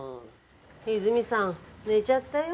和泉さん寝ちゃったよ。